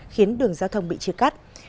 khiến đường giao thông bị chia cắt